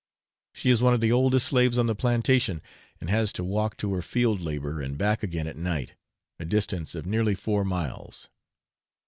She is one of the oldest slaves on the plantation, and has to walk to her field labour, and back again at night, a distance of nearly four miles.